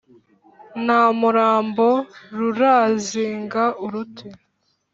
Nta murambo rurazinga uruti.